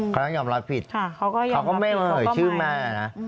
เขายอมรับผิดเขาก็ไม่เหนื่อยชื่อแม่เลยนะ